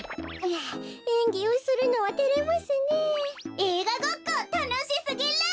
えいがごっこたのしすぎる！